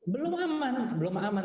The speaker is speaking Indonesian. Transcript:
belum aman belum aman